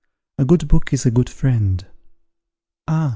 A good book is a good friend." "Ah!"